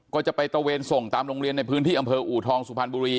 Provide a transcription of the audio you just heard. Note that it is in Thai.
ก็จะไปตะเวนส่งตามโรงเรียนในพื้นที่อำเภออูทองสุพรรณบุรี